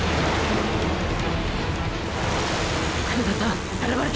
黒田さん並ばれた！！